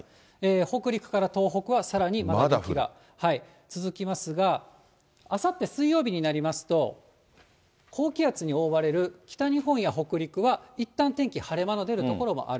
北陸から東北はさらに雪が続きますが、あさって水曜日になりますと、高気圧に覆われる北日本や北陸はいったん天気、晴れ間の出る所もある。